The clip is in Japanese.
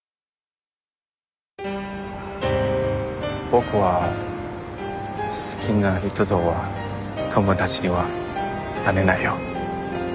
僕は好きな人とは友達にはなれないよ。